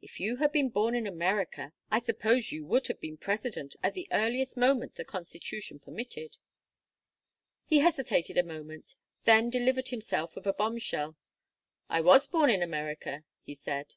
If you had been born in America I suppose you would have been president at the earliest moment the constitution permitted." He hesitated a moment, then delivered himself of a bombshell. "I was born in America," he said.